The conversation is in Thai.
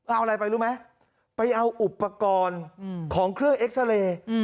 เอาอะไรไปรู้ไหมไปเอาอุปกรณ์ของเครื่องเอ็กซาเรย์